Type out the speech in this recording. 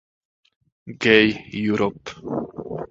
Gay Europe.